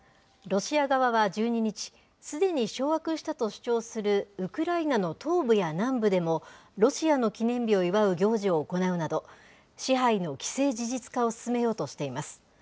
ロシア側は１２日、すでに掌握したと主張するウクライナの東部や南部でも、ロシアの記念日を祝う行事を行うなど、支配の既成事実化を進めようとしています。